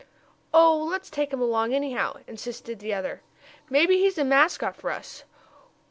"Oh, let's take him along, anyhow," insisted the other. "Maybe he'll be a mascot for us."